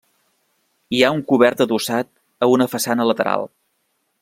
Hi ha un cobert adossat a una façana lateral.